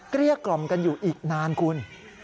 เกลี้ยกล่อมกันอยู่อีกนานคุณ